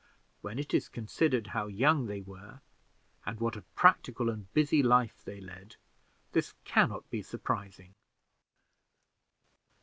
When it is considered how young they were, and what a practical and busy life they led, this can not be surprising.